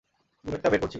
বুলেটটা বের করছি।